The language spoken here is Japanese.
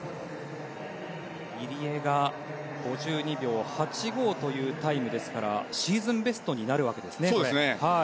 入江が５２秒８５というタイムですからシーズンベストになるわけですね。